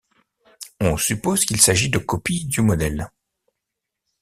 On suppose qu'il s'agit de copies du modèle.